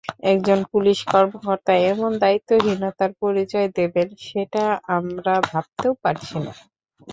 একজন পুলিশ কর্মকর্তা এমন দায়িত্বহীনতার পরিচয় দেবেন, সেটা আমরা ভাবতেও পারছি না।